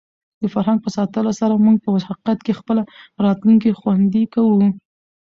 د فرهنګ په ساتلو سره موږ په حقیقت کې خپله راتلونکې خوندي کوو.